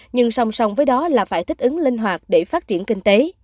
nhưng song song với đó là phải thích ứng linh hoạt để phát triển kinh tế